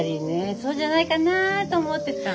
そうじゃないかなと思ってたの。